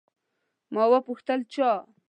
ما وپوښتل، چا؟